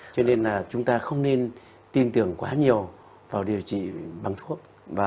cho nên là chúng ta không nên tin tưởng quá nhiều vào điều trị bằng thuốc